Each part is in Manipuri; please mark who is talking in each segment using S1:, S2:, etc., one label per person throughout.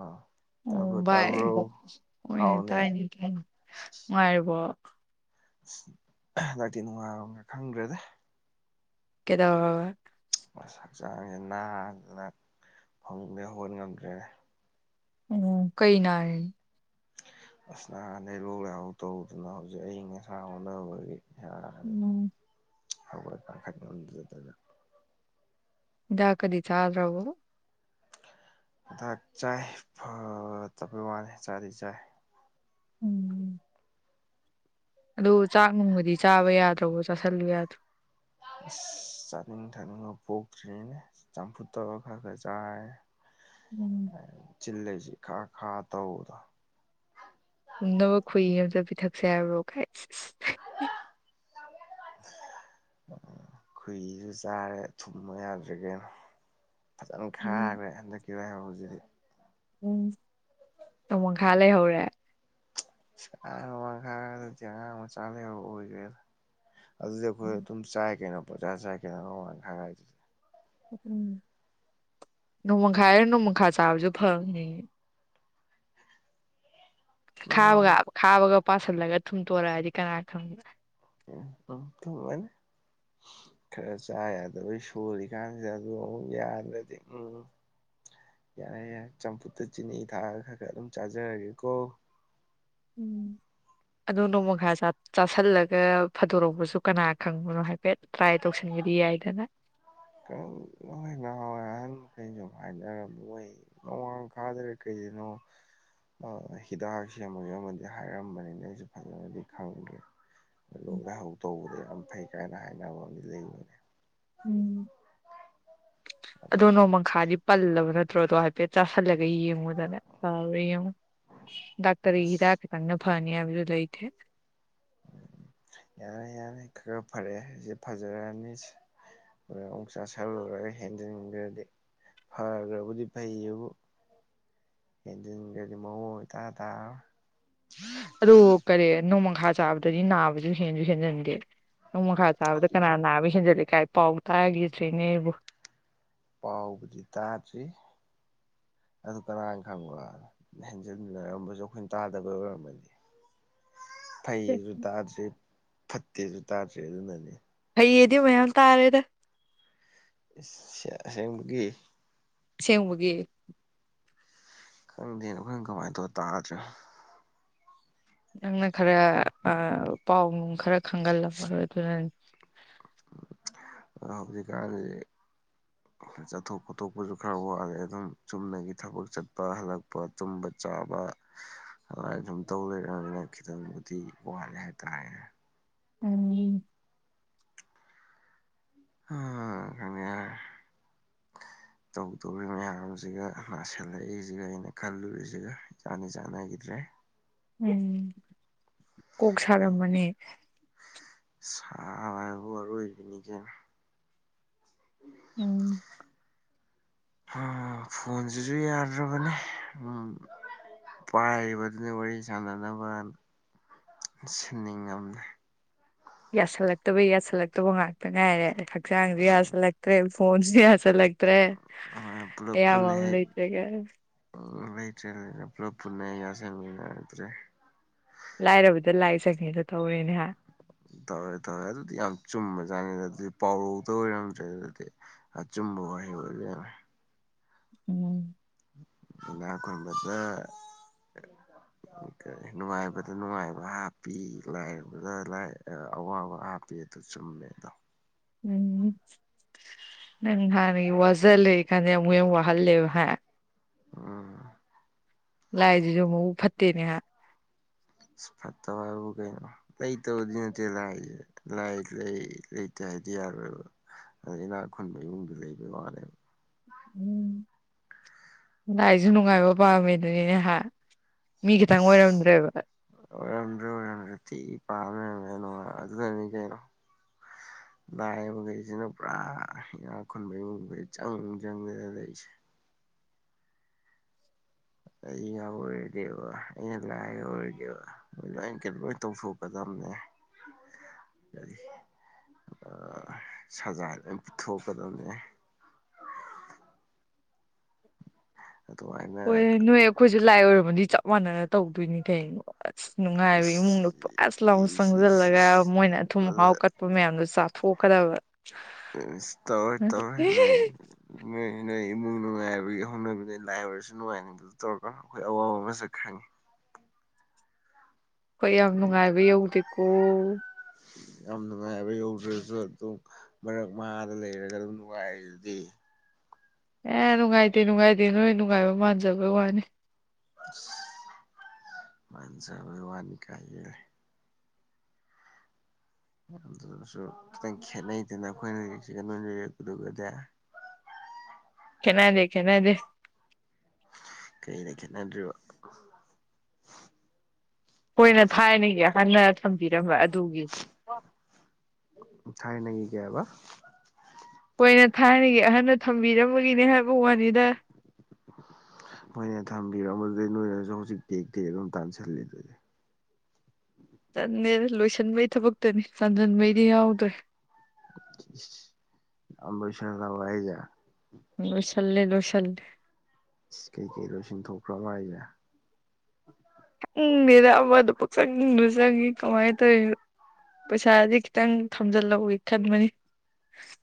S1: ꯑꯥ
S2: ꯑꯣ
S1: ꯇꯕ꯭ꯔꯣ ꯇꯥꯕ꯭ꯔꯣ
S2: ꯚꯥꯏ
S1: ꯍꯥꯎꯅꯦ ꯏꯁ ꯏꯁ
S2: ꯄꯥꯏꯔꯤꯕꯣ꯫
S1: ꯑꯁ ꯍꯟꯗꯛꯇꯤ ꯅꯨꯡꯉꯥꯏꯕꯒ ꯈꯪꯗ꯭ꯔꯦꯗ
S2: ꯀꯗ
S1: ꯑꯁ ꯍꯛꯆꯥꯡꯖꯦ ꯅꯥꯗꯅ ꯐꯪꯃꯨꯡꯗꯩ ꯍꯧꯒꯠ ꯉꯝꯗ꯭ꯔꯦꯅꯦ꯫
S2: ꯎꯝ ꯀꯩ ꯅꯔꯤꯅꯣ꯫
S1: ꯉꯔꯥꯡ ꯉꯍꯥꯟꯗꯒꯤ ꯂꯣꯛ ꯂꯥꯏꯍꯧ ꯇꯧꯗꯨꯅ ꯍꯧꯖꯤꯛ ꯑꯏꯪ ꯑꯁꯥ ꯑꯣꯅꯕꯒꯤ
S2: ꯅꯣ꯫
S1: ꯍꯧꯒꯠ ꯀꯥꯡꯈꯠ ꯉꯝꯗꯗꯅ꯫
S2: ꯗꯥꯛ ꯀꯗꯤ ꯆꯥꯗ꯭ꯔꯥꯎꯕꯣ꯫
S1: ꯗꯥꯛ ꯆꯥꯏ ꯐꯠꯇꯕꯩꯋꯥꯅꯤ ꯆꯥꯗꯤ ꯆꯥꯏ꯫
S2: ꯎꯝ꯫ ꯑꯗꯨ ꯆꯥꯛ ꯅꯨꯡꯒꯗꯤ꯫ ꯆꯥꯕ ꯌꯥꯗ꯭ꯔꯕꯣ ꯆꯥꯥꯁꯜꯂꯨ ꯌꯥꯗ꯭ꯔꯣ꯫
S1: ꯑꯁ ꯆꯥꯅꯤꯡ ꯊꯥꯅꯤꯡꯉꯣ ꯄꯣꯛꯇ꯭ꯔꯤꯅꯦ꯫ ꯇꯝꯐꯨꯠ ꯇꯔꯥ ꯈꯔꯥ ꯈꯔꯥ ꯆꯥꯏ
S2: ꯎꯝ꯫
S1: ꯆꯤꯜ ꯂꯩꯁꯤ ꯏꯈꯥ ꯈꯥ ꯇꯧꯕꯗꯣ꯫
S2: ꯅꯕ ꯈꯨꯏ ꯑꯝꯇ ꯄꯤꯊꯛꯁꯦ ꯍꯥꯏꯕ꯭ꯔꯣ ꯀꯥꯏ
S1: ꯑꯝ ꯈꯨꯍꯤꯁꯨ ꯆꯥꯔꯦ ꯊꯨꯝꯕ ꯌꯥꯗ꯭ꯔꯦ ꯏꯕꯦꯝꯃ꯫ ꯐꯖꯅ
S2: ꯎꯝ
S1: ꯈꯥꯔꯦ ꯍꯟꯗꯛꯀꯤ ꯂꯥꯏꯍꯧꯖꯤꯗꯤ
S2: ꯎꯝ ꯅꯣꯡꯃꯪꯈꯥ ꯂꯩꯍꯧꯔꯦ꯫
S1: ꯑ ꯅꯣꯡꯃꯪꯈꯥ ꯗꯨꯗꯤ ꯑꯉꯥꯡ ꯃꯆꯥ [unintelligible] ꯑꯗꯨꯗꯤ ꯑꯩꯈꯣꯏ ꯑꯗꯨꯝ ꯆꯥꯏ ꯀꯩꯅꯣ ꯄꯪꯖꯥ ꯆꯥꯏ ꯀꯩꯅꯣ ꯑꯣꯡꯃꯪꯈ ꯗꯨꯗꯤ꯫
S2: ꯎꯝ ꯅꯣꯡꯃꯪꯈꯥꯏ ꯅꯣꯡꯃꯈꯥ ꯆꯥꯕꯁꯨ ꯐꯥꯕꯅꯤꯅꯦ꯫ ꯈꯥꯕꯒ
S1: ꯅꯣꯡꯃꯥꯡ
S2: ꯈꯥꯕꯒ ꯄꯥꯁꯜꯂꯒ ꯊꯨꯝꯇꯣꯔꯛꯑꯗꯤ ꯀꯅꯥ ꯈꯪꯕ
S1: ꯎꯝ ꯎꯝ ꯊꯨ ꯑ ꯅꯦ ꯈꯔ ꯆꯥꯏ ꯌꯥꯗ ꯁꯣꯔꯤꯀꯥꯟꯁꯤꯗ ꯑꯗꯨ ꯌꯥꯗ꯭ꯔꯗꯤ ꯎꯝ꯫ ꯌꯥꯔꯦ ꯌꯥꯔꯦ ꯆꯝꯐꯨꯠꯇ ꯆꯤꯅꯤ ꯊꯥꯛꯑꯒ ꯈꯔ ꯈꯔ ꯑꯗꯨꯝ ꯆꯥꯖꯔꯒꯦꯀꯣ꯫
S2: ꯎꯝ
S1: [inaudible] [inaudible]
S2: ꯑꯗꯣ ꯅꯣꯡꯃꯈꯥ ꯆꯥꯥꯁꯜꯂꯒ ꯐꯥꯗꯣꯔꯛꯄꯁꯨ ꯀꯅꯥ ꯈꯪꯕꯅꯣ ꯍꯥꯏꯐꯦꯠ꯫ ꯇ꯭ꯔꯥꯏ ꯇꯧꯁꯤꯟꯕꯗꯤ ꯌꯥꯏꯗꯅ꯫
S1: ꯀ ꯂꯣꯏ ꯅꯍꯥꯟꯋꯥꯏ ꯑꯍꯟꯈꯩꯁꯨ ꯍꯥꯏꯅꯔꯝꯃꯣꯏ꯫ ꯅꯣꯡꯃꯪꯈꯥꯗ ꯢ ꯀꯩꯗꯅꯣ ꯍꯤꯗꯥꯛ ꯁꯦꯝ ꯑꯃꯒꯤ ꯑꯃꯗꯤ ꯍꯥꯏꯔꯝꯕꯅꯤꯅ ꯑꯩꯁꯨ ꯐꯖꯅꯗꯤ ꯈꯪꯗꯦ ꯂꯣꯛ ꯂꯥꯢꯍꯧ ꯇꯧꯕꯗ ꯌꯥꯝ ꯐꯩ ꯀꯥꯏꯅ ꯍꯥꯏꯅꯕ ꯑꯝꯗꯤ ꯂꯩꯕꯅꯦ꯫
S2: ꯎꯝ ꯑꯗꯣ ꯅꯣꯡꯃꯈꯥꯗꯤ ꯄꯜꯂꯕ ꯅꯠꯇ꯭ꯔꯣꯗꯣ ꯍꯥꯏꯐꯦꯠ ꯆꯥꯥꯁꯜꯂꯒ ꯌꯦꯡꯉꯨ [unintelligible]
S1: ꯑꯁ
S2: ꯐꯅꯤꯗꯨ ꯍꯥꯢꯕꯖꯨ ꯂꯩꯇꯦ꯫
S1: ꯌꯥꯅꯤ ꯌꯥꯅꯤ ꯈ ꯈꯔ ꯐꯔꯦ ꯑꯩꯁꯦ ꯐꯖꯔꯅꯤꯁ ꯑ ꯁꯥꯂꯨꯔꯒ ꯍꯦꯟꯖꯟꯒ꯭ꯔꯗꯤ꯫ ꯐꯔꯕꯨꯗꯤ ꯐꯩꯌꯦꯕꯨ ꯍꯦꯟꯖꯟꯒ꯭ꯔꯗꯤ ꯃꯑꯣꯡ ꯑꯃ ꯏꯇꯥ ꯇꯥꯔꯔꯣ
S2: ꯑꯗꯨꯣ ꯀꯔꯤ ꯅꯣꯡꯃꯈꯥ ꯆꯥꯕꯗꯗꯤ ꯅꯥꯕꯗꯁꯨ ꯍꯦꯟꯁꯨ ꯍꯦꯟꯖꯤꯟꯗꯦ꯫ ꯅꯣꯡ ꯃꯈꯥ ꯆꯥꯕꯗ ꯀꯅꯥ ꯅꯥꯕ ꯍꯦꯟꯖꯜꯂꯤ ꯀꯥꯏ ꯄꯥꯎ ꯇꯥꯒꯦꯗ꯭ꯔꯤꯅꯦ ꯑꯩꯕꯨ꯫
S1: ꯄꯥꯎꯕꯨꯗꯤ ꯇꯥꯗ꯭ꯔꯤ꯫ ꯑꯗꯨ ꯀꯅꯥꯅ ꯈꯪꯕ꯭ꯔ ꯍꯦꯟꯖꯤꯟꯅꯔꯝꯕꯁꯨ ꯑꯩꯈꯣꯏ ꯇꯥꯗꯕꯩ ꯑꯣꯏꯔꯝꯃꯗꯤ꯫ ꯐꯩꯖꯨ ꯇꯥꯗ꯭ꯔꯤ ꯐꯠꯇꯦꯁꯨ ꯇꯥꯗ꯭ꯔꯤ ꯑꯗꯨꯅꯅꯦ꯫
S2: ꯐꯩꯌꯦꯗꯤ ꯃꯌꯥꯝ ꯇꯥꯔꯦꯗ꯫
S1: ꯏꯁ ꯁ ꯑꯁꯦꯡꯕꯒꯤ꯫
S2: ꯁꯦꯝꯕꯒꯤ
S1: ꯈꯪꯗꯦꯅꯦ ꯑꯩꯈꯣꯏꯅ ꯀꯃꯥꯏꯅ ꯇꯧ ꯇꯥꯗ꯭ꯔꯣ꯫
S2: ꯅꯪꯅ ꯈꯔ ꯑꯥ ꯄꯥꯎ ꯅꯨꯡ ꯈꯔ ꯈꯪꯒꯜꯂꯝꯃꯔꯣꯏ ꯑꯗꯨꯅ
S1: ꯑ ꯍꯧꯖꯤꯀꯥꯟꯖꯦ ꯆꯠꯊꯣꯛ ꯈꯣꯊꯣꯛꯄꯁꯨ ꯈꯔ ꯋꯥꯠꯂꯦ ꯑꯗꯨꯝ ꯆꯨꯝꯅꯒꯤ ꯊꯕꯛ ꯆꯠꯄ ꯍꯜꯂꯛꯄ ꯄ ꯇꯨꯝꯕ ꯆꯥꯕ ꯑꯗꯨꯝ ꯇꯧ ꯂꯩꯔꯅꯤ ꯈꯤꯇꯪꯕꯨꯗꯤ ꯋꯥꯠꯂꯦ ꯍꯥꯏꯇꯥꯔꯦ꯫
S2: ꯎ
S1: ꯑ [unintelligible] ꯇꯧꯗꯧꯔꯤ ꯃꯌꯥꯝꯁꯤꯒ ꯅꯥꯁꯤꯜꯂꯛꯏꯁꯤꯒ ꯑꯩꯅ ꯈꯜꯂꯨꯔꯤꯁꯤꯒ ꯏꯆꯥꯟ ꯗꯤ ꯆꯥꯟꯅꯈꯤꯗ꯭ꯔꯦꯍꯦ꯫
S2: ꯎꯝ ꯀꯣꯛ ꯁꯥꯔꯝꯃꯅꯤ꯫
S1: ꯁꯥ [unintelligible] ꯑꯔꯣꯢꯕꯤꯅꯤ ꯏꯕꯦꯝꯃ
S2: ꯎꯝ꯫
S1: ꯍꯥ ꯐꯣꯟꯁꯤꯁꯨ ꯌꯥꯗ꯭ꯔꯕꯅꯦ ꯎꯝ ꯄꯥꯏꯔꯤꯕꯗꯨꯅ ꯋꯥꯔꯤ ꯁꯥꯟꯅꯅꯕ ꯁꯤꯟꯅꯤꯡꯉꯝꯃꯦ
S2: ꯌꯥꯁꯜꯂꯛꯇꯕ ꯌꯥꯁꯜꯂꯛꯇꯕ ꯉꯥꯛꯇ ꯉꯥꯏꯔꯦ ꯍꯛꯆꯥꯡꯖꯤ ꯌꯥꯖꯤꯜꯂꯛꯇ꯭ꯔꯦ ꯐꯣꯟꯁ ꯌꯥꯁꯜ ꯂꯥꯛꯇ꯭ꯔꯦ ꯑꯦ ꯀꯌꯥꯝ ꯂꯩꯇꯔꯒꯦ
S1: ꯎ ꯂꯩꯇ꯭ꯔꯦ ꯂꯩꯅ ꯄꯨꯂꯞ ꯄꯨꯟꯅ ꯌꯥꯁꯪꯃꯤꯟꯅꯔꯗꯔꯦ [unintelligible]
S2: ꯂꯥꯏꯔꯕꯗ ꯂꯥꯏ ꯆꯪꯉꯦꯗꯨ ꯇꯧꯔꯦꯅꯦ ꯍꯥꯏ
S1: ꯇꯧꯋꯦ ꯇꯧꯋꯦ ꯑꯗꯨꯗꯤ ꯌꯥꯝ ꯆꯨꯝꯕꯖꯥꯠꯅꯤꯗ ꯑꯗꯨꯗꯤ ꯄꯥꯎꯔꯧꯗ ꯑꯣꯏꯔꯝꯗ꯭ꯔꯦ ꯑꯗꯨꯗꯤ ꯑꯆꯨꯝꯕ ꯋꯥꯍꯩ ꯑꯣꯏꯕ ꯌꯥꯔ
S2: ꯎꯝ
S1: ꯏꯅꯥ ꯈꯨꯟꯕꯗ ꯅꯨꯡꯉꯥꯏꯕꯗ ꯅꯨꯡꯉꯥꯏꯕ ꯍꯥꯞꯄꯤ ꯂꯥꯏꯔꯕꯗ ꯑꯋꯥꯕ ꯍꯥꯞꯄꯤ ꯑꯗꯨ ꯆꯨꯝꯃꯦꯗꯣ
S2: ꯎꯝ [inaudible] ꯅꯪ ꯍ ꯋꯥꯖ ꯂꯩꯦ ꯀꯥꯟꯗꯦ ꯑꯃ ꯌꯥꯝ ꯋꯥꯍꯜꯂꯦꯕ ꯍꯥ
S1: ꯎꯝ
S2: ꯂꯥꯏꯁꯤꯁꯨ ꯃꯕꯨꯛ ꯐꯠꯇꯦꯅꯦ ꯍꯥ
S1: ꯏꯁ ꯐꯠꯇ ꯍꯥꯏꯔꯕꯨ ꯀꯩꯅꯣ ꯂꯩꯇꯕꯗꯤ ꯅꯠꯇꯦ ꯂꯥꯏꯌꯦ ꯂꯥꯏ ꯂꯩ ꯂꯩꯇꯦ ꯍꯥꯏꯗꯤ ꯌꯥꯔꯣꯏꯕ ꯑꯗ ꯏꯅꯥꯛ ꯈꯨꯟꯕ ꯏꯃꯨꯡꯗꯨ ꯂꯩꯕ ꯋꯥꯅꯦꯕ
S2: ꯎꯝ ꯑꯥꯏꯁꯨ ꯅꯨꯡꯉꯥꯏꯕ ꯄꯝꯃꯤꯗꯨꯅꯍ ꯃꯤ ꯈꯤꯇꯪ ꯑꯣꯏꯔꯝꯗ꯭ꯔꯦꯕ
S1: ꯑꯣꯢꯔꯝꯗꯔꯦ ꯑꯣꯏꯔꯝꯗ꯭ꯔꯦ ꯊꯤ ꯄꯥꯝ ꯂꯩꯔꯝꯃꯦ ꯅꯣꯡ ꯑꯗꯨꯅ ꯀꯩꯅꯣ ꯑ [unintelligible] ꯂꯥꯏ ꯒꯨꯝꯕꯁꯤꯅ ꯄꯨꯔꯥ ꯏꯅꯥ ꯈꯨꯟꯕ ꯏꯃꯨꯡꯗꯩ ꯆꯪ ꯆꯪꯗꯅ ꯂꯩꯁꯦ ꯑꯩ ꯌꯥꯎ ꯑꯣꯏꯔꯗꯤꯦꯕ ꯑꯩꯅ ꯂꯥꯏ ꯑꯣꯏꯔꯗꯤꯦꯕ ꯃꯣꯏ ꯂꯩꯅ ꯀꯩꯅ ꯂꯣꯏ ꯇꯧꯊꯣꯛꯀꯗꯕꯅꯦ ꯑ [inaudible] ꯑꯥ ꯁꯖꯥ ꯂꯣꯏ ꯄꯨꯊꯣꯛꯀꯗꯕꯅꯦ ꯑꯗꯨꯃꯥꯏꯅ
S2: ꯍꯣꯏꯌꯦ ꯅꯣꯏ ꯑꯩꯈꯣꯏꯁꯨ ꯂꯥꯏ ꯑꯣꯏꯔꯝꯃꯗꯤ ꯆꯞ ꯃꯥꯅꯔ ꯇꯧꯗꯣꯏꯅꯤ ꯀꯩꯅꯣ ꯑꯁ ꯅꯨꯡꯉꯥꯏꯕ ꯏꯃꯨꯡꯗꯣ ꯄꯨꯁ ꯂꯥꯎ ꯆꯪꯖꯟꯂꯒꯕ ꯃꯣꯏꯅ ꯑꯊꯨꯝ ꯑꯍꯥꯎ ꯀꯠꯄ ꯃꯌꯥꯝꯗꯣ ꯆꯥ ꯊꯣꯛꯀꯗꯕ
S1: ꯇꯧꯔ ꯇꯧꯔꯃꯦ ꯅꯣꯏ ꯅꯣꯏ ꯏꯃꯨꯡ ꯅꯨꯡꯉꯥꯏꯕꯒꯤ ꯍꯧꯅꯕꯗ ꯂꯥꯏ ꯑꯣꯏꯔꯁꯨ ꯅꯨꯡꯉꯥꯏꯅꯤꯡꯗ ꯑꯗꯨ ꯇꯧꯔꯒ ꯑꯩꯈꯣꯏ ꯑꯋꯥꯕ ꯑꯃꯁꯨꯛ ꯈꯪꯉꯤ
S2: ꯍꯣꯏ ꯌꯥꯝ ꯅꯨꯡꯉꯥꯏꯕ ꯌꯧꯗꯦꯀꯣ
S1: ꯌꯥꯝ ꯅꯨꯡꯉꯥꯏꯕ ꯌꯧꯗ꯭ꯔꯁꯨ ꯑꯗꯨꯝ ꯃꯔꯛ ꯃꯍꯥꯗ ꯂꯩꯔꯒ ꯑꯗꯨꯝ ꯅꯨꯡꯉꯥꯏꯔꯤꯗꯨꯗꯤ
S2: ꯑꯦ ꯅꯨꯡꯉꯥꯏꯇꯦ ꯅꯨꯡꯉꯥꯏꯇꯦ ꯅꯣꯏ ꯅꯨꯡꯉꯥꯏꯕ ꯃꯥꯟꯖꯕꯩ ꯋꯥꯅꯤ
S1: ꯃꯁ ꯃꯟꯖꯕꯩꯅꯤ ꯋꯥ ꯀꯥꯏ ꯌꯦ ꯑꯗꯨ ꯑꯣꯏꯔꯁꯨ ꯈꯤꯇꯪ ꯈꯦꯠꯅꯩꯗꯅ ꯑꯩꯈꯣꯏꯅ ꯂꯩꯛꯁꯤꯒ ꯅꯣꯏ ꯂꯩꯔꯄꯗꯨꯒꯗꯤ [unintelligible]
S2: ꯈꯦꯠꯅꯥꯗꯦ ꯈꯦꯠꯅꯥꯗꯦ
S1: ꯀꯔꯤꯗ ꯈꯦꯠꯅꯗ꯭ꯔꯤꯕ
S2: ꯑꯩꯈ‌ꯣꯏꯅ ꯊꯥꯏꯅꯒꯤ ꯑꯍꯟꯅ ꯊꯝꯕꯤꯔꯝꯕ ꯑꯗꯨꯒꯤ
S1: ꯊꯥꯏꯅꯒꯤ ꯀꯩ ꯍꯥꯏꯕ
S2: ꯈ‌ꯣꯏꯅ ꯊꯥꯏꯅꯒꯤ ꯑꯍꯟꯅ ꯊꯝꯕꯤꯔꯝꯕꯒꯤꯅꯦ ꯍꯥꯏꯕꯩ ꯋꯥꯅꯤꯗ
S1: ꯃꯣꯏꯅ ꯊꯝꯕꯤꯔꯝꯗꯨꯗꯩ ꯅꯣꯏꯅꯁꯨ ꯍꯧꯖꯤꯛ ꯇꯦꯛ ꯇꯦꯛ ꯑꯗꯨꯝ ꯇꯥꯟꯁꯤꯜꯂꯤꯗꯨꯗꯤ
S2: ꯇꯟꯗ‌ꯦꯗ ꯂꯣꯏꯁꯤꯟꯕꯩ ꯊꯕꯛꯇꯅꯤ ꯇꯥꯟꯖꯟꯕꯩꯗꯤ ꯌꯥꯎꯗ꯭ꯔꯦ
S1: [unintelligible] ꯌꯥꯝ ꯂꯣꯏꯁꯤꯟꯂꯕꯣ ꯍꯥꯏꯁꯦ
S2: ꯂꯣꯏꯁꯟꯂꯦ ꯂꯣꯏꯁꯟꯂꯦ
S1: ꯏꯁ ꯀꯩ ꯀꯩ ꯂꯣꯏꯁꯤꯟꯊꯣꯛꯈ꯭ꯔꯕ ꯍꯥꯏꯁꯦ
S2: ꯈꯪꯗ‌ꯦꯗ ꯑꯃꯗꯨ ꯄꯛꯆꯪꯗ ꯆꯪꯉꯤ ꯀꯃꯥꯏꯅ ꯇꯧꯔꯤꯅꯣ ꯄꯩꯁꯥꯖꯦ ꯈꯤꯇꯪ ꯊꯝꯖꯤꯜꯍꯧꯒ‌ꯦ ꯈꯟꯕꯅꯤ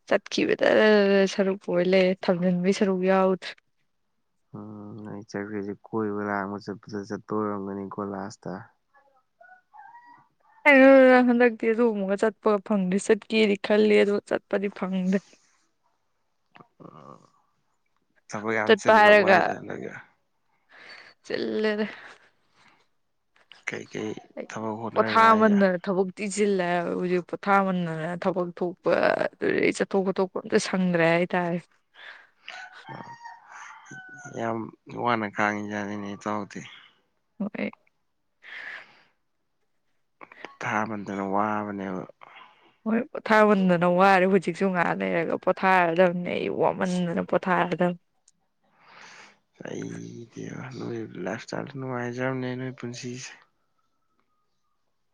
S2: ꯆꯠꯈꯤꯕꯗ ꯁꯔꯨꯛ ꯑꯣꯏ ꯂꯩꯔ‌ꯦ ꯊꯝꯖꯤꯟꯕꯒꯤ ꯁꯔꯨꯛ ꯌꯥꯎꯗꯔ‌ꯦ
S1: ꯎꯝ ꯅꯣꯏ ꯆꯠꯂꯤꯗꯨ ꯀꯣꯏꯕ ꯂꯥꯡꯕ ꯆꯠꯄꯗ ꯆꯠꯄ ꯑꯣꯏꯔꯝꯒꯅꯤꯀꯣ ꯂꯥꯁꯇ
S2: ꯀꯥꯏꯗ‌ꯩꯅ‌ꯣꯗ ꯍꯟꯗꯛꯇꯤ ꯑꯗꯨꯒꯨꯝꯕꯒ ꯆꯠꯄꯒ ꯐꯪꯗꯦ ꯆꯠꯀꯦꯗꯤ ꯈꯜꯂꯤ ꯑꯗꯨ ꯆꯠꯄꯗꯤ ꯐꯪꯗ꯭ꯔꯦ
S1: ꯑꯣ
S2: ꯆꯠꯄ ꯍꯥꯏꯔꯒ ꯆꯤꯟꯂꯦꯗ
S1: ꯀꯩ ꯀꯩ
S2: ꯑꯩ ꯄꯣꯊꯥꯃꯟꯗꯅ ꯊꯕꯛ ꯇꯤꯁꯤꯜꯂꯦ ꯍꯥꯏꯕ ꯍꯧꯖꯤꯛ ꯄꯣꯊꯥꯃꯟꯗꯅ ꯊꯕꯛ ꯊꯣꯛꯄ ꯑꯗꯩ ꯆꯠꯊꯣꯛ ꯈꯣꯠꯊꯣꯛ ꯄ ꯑꯝꯇ ꯁꯪꯗ꯭ꯔꯦ ꯍꯥꯏꯇꯥꯔꯦ
S1: ꯌꯥꯝ ꯋꯥꯅ ꯈꯥꯡꯉꯤꯖꯥꯠꯅꯤꯅꯦ ꯏꯇꯥꯎꯗꯤ
S2: ꯍ‌ꯣꯏ
S1: ꯄ‌ꯣꯊꯥꯃꯟꯗꯅ ꯋꯥꯕꯅꯦꯕ
S2: ꯍꯣꯏ ꯄꯣꯊꯥꯃꯟꯗꯅ ꯋꯥꯔꯦ ꯍꯧꯖꯤꯛꯁꯨ ꯉꯥꯏꯍꯛ ꯂꯩꯔꯒ ꯄꯣꯊꯥꯔꯗꯕꯅꯤ ꯑꯩ ꯋꯥꯃꯟꯗꯅ ꯄꯣꯊꯥꯔꯗꯕꯅꯤ
S1: ꯑꯩꯗꯤꯕ ꯅꯣꯏ ꯂꯥꯏꯞ ꯏꯁꯇꯥꯏꯜ ꯅꯨꯡꯉꯥꯏꯖꯔꯝꯅꯤ ꯅꯣꯏ ꯄꯨꯟꯁꯤꯁꯦ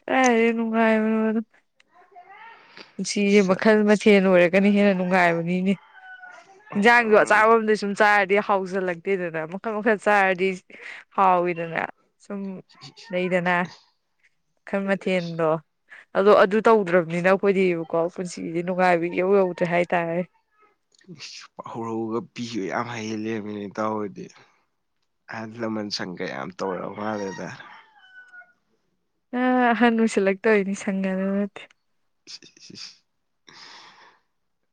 S2: ꯀꯥꯢꯗꯩ ꯅꯨꯡꯉꯥꯢꯕꯅꯣꯗ ꯄꯨꯟꯁꯤꯖꯦ ꯃꯈꯜ ꯃꯊꯦꯜ ꯑꯣꯏꯔꯒꯅ ꯍꯦꯟꯅ ꯅꯨꯡꯉꯥꯏꯕꯅꯤꯅꯦ ꯌꯦꯟꯖꯥꯡꯖꯨ ꯑꯆꯥꯕ ꯑꯝꯗ ꯁꯨꯝ ꯆꯥꯔꯗꯤ ꯍꯥꯎꯖꯜꯂꯛꯇꯦꯗꯅ ꯃꯈꯜ ꯃꯈꯜ ꯆꯥꯔꯗꯤ ꯍꯥꯎꯋꯤꯗꯅ ꯁꯨꯝ ꯂꯩꯗꯅ ꯃꯈꯜ ꯃꯊꯦꯟꯗꯣ ꯑꯗꯣ ꯑꯗꯨ ꯇꯧꯗ꯭ꯔꯕꯅꯤꯅ ꯑꯩꯈꯣꯏꯗꯤꯕꯀꯣ ꯄꯨꯟꯁꯤꯁ‌ꯦ ꯅꯨꯡꯉꯥꯏꯕ ꯏꯍꯧ ꯍꯧꯗ꯭ꯔꯦ ꯍꯥꯏꯇꯥꯔꯦ
S1: ꯄꯥꯎꯔꯧꯒ ꯄꯤꯕ ꯌꯥꯝ ꯍꯩ ꯂꯩꯔꯝꯃ‌ꯦꯅ‌ꯦ ꯏꯊꯥꯎ ꯈ‌ꯣꯏꯗꯤ ꯑꯍꯟ ꯂꯃꯟ ꯁꯪꯒ ꯌꯥꯝ ꯇꯧꯔ ꯃꯥꯜꯂꯦꯗ
S2: ꯑ ꯍꯟꯅꯨꯁꯟꯂꯛ ꯇꯧꯔꯤꯅꯤ ꯁꯪꯒꯅ ꯅꯠꯇꯦ
S1: [unintelligible]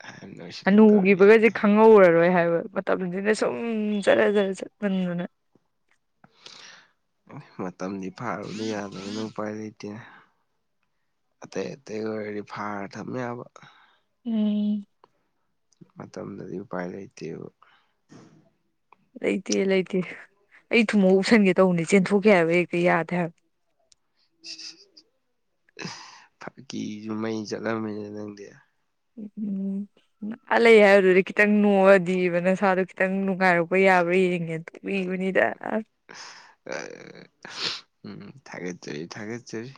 S1: ꯑꯍꯟ ꯑꯣꯏꯁꯤꯜꯂꯛꯇꯧꯔꯤꯅꯤ
S2: ꯍꯟꯅꯨꯈꯤꯕꯒꯁꯦ
S1: ꯀꯥꯏ
S2: ꯈꯪꯍꯧꯔꯔꯣꯏ ꯍꯥꯏꯕ ꯃꯇꯝꯁꯤꯅ ꯁꯨꯝ ꯖꯔ ꯖꯔ ꯆꯠꯃꯟꯕꯅ
S1: ꯃꯇꯝꯗꯤ ꯐꯥꯔꯨꯕ ꯌꯥꯗꯕꯅꯤꯅ ꯎꯄꯥꯏ ꯂꯩꯇꯦ ꯑꯇꯩ ꯑꯇꯩ ꯑꯣꯏꯔꯗꯤ ꯐꯥꯔ ꯊꯝꯕ ꯌꯥꯕ
S2: ꯎꯝ
S1: ꯃꯇꯝꯗꯗꯤ ꯎꯄꯥꯏ ꯂꯩꯇꯦꯕ
S2: ꯂꯩꯇꯦ ꯂꯩꯇꯦ ꯑꯩ ꯊꯨꯝꯃꯣꯛ ꯎꯞꯁꯟꯒꯦ ꯇꯧꯕꯅꯤ ꯆꯦꯟꯊꯣꯛꯈꯤ ꯍꯥꯏꯕ ꯍꯦꯛꯇ ꯌꯥꯗꯦ ꯍꯥꯏꯕ
S1: ꯐꯒꯤꯁꯨ ꯃꯩ ꯆꯠꯂꯝꯃ‌ꯦꯅ ꯅꯪꯗꯤ
S2: ꯎꯝ ꯑꯥ ꯂꯩ ꯍꯥꯏꯕꯗꯨꯗ ꯈꯤꯇꯪ ꯅꯣꯛꯑꯗꯤꯕ ꯅꯁꯥꯗꯣ ꯈꯤꯇꯪ ꯅꯨꯡꯉꯥꯏꯔꯛꯄ ꯌꯥꯕ꯭ꯔꯥ ꯌꯦꯡꯒꯦꯅ ꯇꯧꯕꯤꯕꯅꯤꯗ
S1: [unintelligible] ꯎꯝ ꯊꯥꯒꯠꯆꯔꯤ ꯊꯥꯒꯠꯆꯔꯤ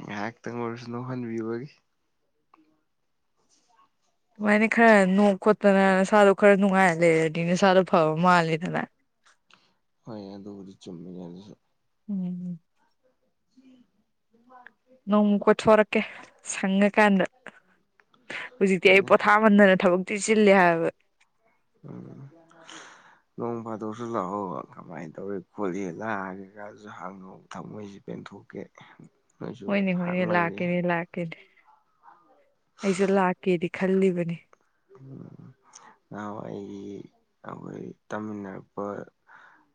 S1: ꯉꯥꯏꯍꯥꯛꯇꯪ ꯑꯣꯏꯔꯁꯨ ꯅ‌ꯣꯛꯍꯟꯕꯤꯕꯒꯤ [unintelligible]
S2: ꯑꯗꯨꯃꯥꯏꯅ ꯈꯔ ꯅꯣꯛ ꯈꯣꯠꯇꯅ ꯅꯁꯥꯗꯣ ꯈꯔ ꯅꯨꯡꯉꯥꯏ ꯂꯩꯔꯗꯤ ꯅꯁꯥꯗꯣ ꯐꯕ ꯃꯥꯜꯂꯤꯗꯅ
S1: ꯍꯣꯏ ꯑꯗꯨꯕꯨꯗꯤ ꯆꯨꯝꯃꯤꯅꯦ ꯑꯗꯨꯁꯨ
S2: ꯎꯝ
S1: ꯃ [unintelligible]
S2: ꯅꯣꯡꯃ ꯀꯣꯏꯊꯣꯛꯔꯛꯀꯦ ꯁꯪꯉꯀꯥꯟꯗ ꯍꯧꯖꯤꯛꯇꯤ ꯑꯩ
S1: ꯍꯣꯏꯅꯦ
S2: ꯄꯣꯊꯥꯃꯟꯗꯅ ꯊꯕꯛ ꯊꯤ ꯆꯤꯜꯂꯦ ꯍꯥꯏꯕ
S1: ꯎꯝ ꯅꯣꯡ ꯐꯥꯗꯣꯛꯁꯨ ꯂꯥꯛꯑꯣ ꯀꯃꯥꯏꯅ ꯇꯧꯔꯤ ꯈꯣꯠꯂꯤ ꯅꯥꯏ ꯀꯩꯀꯥꯗꯁꯨ ꯍꯪꯉꯣ ꯊꯃꯣꯏꯁꯤ ꯄꯦꯟꯊꯣꯛꯀꯦ ꯅꯣꯏꯁꯨ
S2: ꯍꯣꯏꯅꯦ ꯍꯣꯏꯅꯦ
S1: ꯍꯥꯛꯃꯜꯂꯤ
S2: ꯂꯥꯛꯀꯦꯅꯦ ꯑꯩꯁꯨ ꯂꯥꯛꯀꯦꯗꯤ ꯈꯜꯂꯤꯕꯅꯤ
S1: ꯎꯝ ꯅꯍꯥꯟꯋꯥꯏꯒꯤ ꯑꯩꯈꯣꯏ ꯇꯝꯃꯤꯟꯅꯔꯛꯄ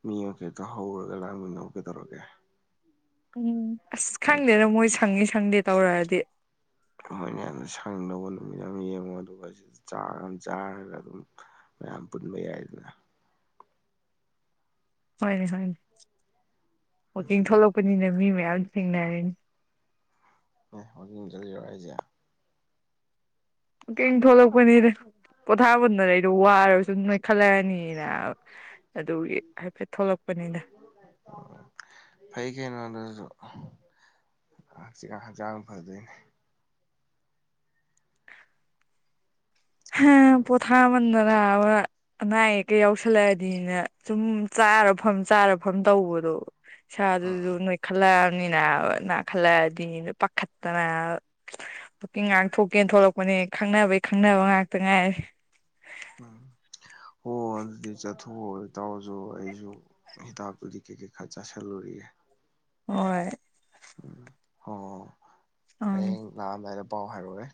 S1: ꯃꯤ ꯃꯈꯩꯗꯣ ꯍꯧꯔꯒ ꯂꯥꯡꯃꯤꯟꯅꯧ ꯀꯗꯧꯔꯒꯦ
S2: ꯎꯝ ꯑꯁ ꯈꯪꯗꯦꯗ ꯃꯣꯏ ꯁꯪꯉꯤ ꯁꯪꯗꯦ ꯇꯧꯔꯛꯑꯗꯤ
S1: ꯍꯣꯏꯅꯦ ꯁꯪꯗꯧꯕ ꯅꯨꯃꯤꯠ ꯑꯃ ꯌꯦꯡꯉꯣ ꯑꯗꯨꯒ ꯁꯤꯗ ꯆꯥꯛ ꯑꯝ ꯆꯥꯔꯒ ꯑꯗꯨꯝ ꯃꯌꯥꯝ ꯄꯨꯟꯕ ꯌꯥꯏꯗꯅ
S2: ꯍꯣꯏꯅꯦ ꯍꯣꯏꯅꯦ ꯋꯀꯤꯡ ꯊꯣꯛꯂꯛꯄꯅꯤꯅ ꯃꯤ ꯃꯌꯥꯝ ꯊꯦꯡꯅꯔꯅꯤ
S1: ꯑꯦ ꯋꯥꯀꯤꯡ ꯆꯠꯂꯤꯔꯣ ꯍꯥꯏꯁꯦ
S2: ꯋꯥꯛꯀꯤꯡ ꯊꯣꯛꯂꯛꯄꯅꯤꯗ ꯄꯣꯊꯥꯃꯟꯗꯅ ꯑꯩꯗꯣ ꯋꯥꯔꯕ ꯁꯨꯝ ꯅꯣꯏ ꯈꯜꯂꯛꯑꯅꯤꯅ ꯑꯗꯨꯒꯤ ꯍꯥꯏꯐꯦꯠ ꯊꯣꯛꯂꯛꯄꯅꯤꯗ
S1: ꯑꯣ ꯐꯩ ꯀꯩꯅꯣ ꯑꯗꯨꯁꯨ ꯍꯥꯡꯆꯤꯠ ꯍꯛꯆꯥꯡ ꯐꯗꯣꯏꯅꯦ
S2: ꯍ ꯄꯣꯊꯥꯃꯟꯗꯅꯕ ꯑꯅꯥ ꯑꯌꯦꯛꯀ ꯌꯥꯎꯁꯜꯂꯛꯑꯗꯤꯅ ꯁꯨꯝ ꯆꯥꯔꯐꯝ ꯆꯥꯔꯐꯝ ꯇꯧꯕꯗꯣ ꯏꯁꯥꯗꯨꯖꯨ
S1: ꯎꯝ
S2: ꯅꯣꯏ ꯈꯜꯂꯛꯑꯕꯅꯤꯅ ꯅꯥꯈꯜꯂꯛꯑꯗꯤ ꯄꯥꯈꯠꯇꯅ ꯋꯥꯀꯤꯡ ꯉꯥꯛꯊꯣꯛꯀꯦꯅ ꯊꯣꯛꯂꯛꯄꯅꯦ ꯈꯪꯅꯕꯩ ꯈꯪꯅꯕ ꯉꯥꯛꯇ ꯉꯥꯏꯔꯦ
S1: ꯎꯝ ꯍꯣ ꯑꯗꯨꯗꯤ ꯆꯠꯊꯣꯛꯑꯣ ꯢꯇꯥꯎꯁꯨ ꯑꯩꯁꯨ ꯍꯤꯗꯥꯛ ꯒꯨꯂꯤ ꯀꯩ ꯀꯩ ꯈꯔ ꯆꯥꯁꯜꯂꯨꯒꯤꯒꯦ
S2: ꯍꯣꯏ
S1: ꯎꯝ ꯑꯣ
S2: ꯎꯝ
S1: ꯍꯌꯦꯡ ꯂꯥꯛꯑꯝꯗꯥꯏꯗ ꯄꯥꯎ ꯍꯥꯏꯔꯛꯑꯣꯍꯦ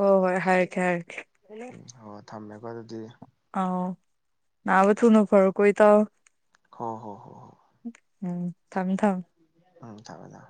S2: ꯍꯣꯏ ꯍꯣꯏ ꯍꯥꯏꯔꯛꯀꯦ ꯍꯥꯏꯔꯛꯀꯦ
S1: ꯑꯣ ꯊꯝꯃꯦꯀꯣ ꯑꯗꯨꯗꯤ
S2: ꯑꯥꯎ ꯅꯥꯕ ꯊꯨꯅ ꯐꯔꯣꯀꯣ ꯢꯇꯥꯎ
S1: ꯍꯣ ꯍꯣ ꯍꯣ ꯍꯣ
S2: ꯎꯝ ꯊꯝ ꯊꯝ
S1: ꯎꯝ ꯊꯝꯃꯦ ꯊꯝꯃꯦ